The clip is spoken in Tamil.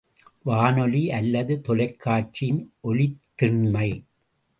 வானொலி அல்லது தொலைக்காட்சியின் ஒலித்திண்மை.